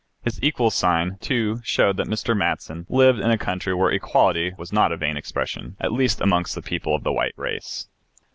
His =, too, showed that Mr. Maston lived in a country where equality was not a vain expression, at least amongst the people of the white race.